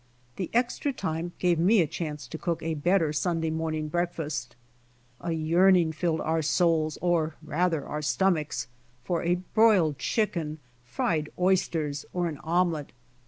The extra time gave me a chance to cook a better Sunday morning breakfast. A yearning filled our souls, or rather our stomachs, for a broiled chicken, fried oysters, or an omelette.